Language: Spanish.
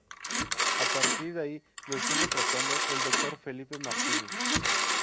A partir de ahí lo estuvo tratando el doctor Felipe Martínez.